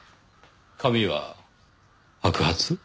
髪は白髪？